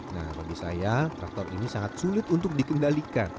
nah bagi saya traktor ini sangat sulit untuk dikendalikan